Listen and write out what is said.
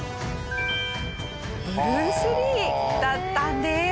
ブルース・リーだったんです。